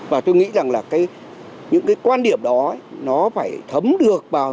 và tôi nghĩ rằng là những cái quan điểm đó